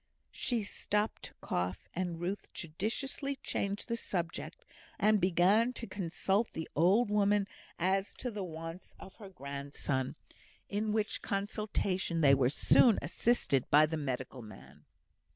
She stopped to cough; and Ruth judiciously changed the subject, and began to consult the old woman as to the wants of her grandson, in which consultation they were soon assisted by the medical man.